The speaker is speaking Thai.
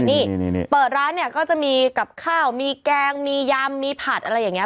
นี่เปิดร้านเนี่ยก็จะมีกับข้าวมีแกงมียำมีผัดอะไรอย่างนี้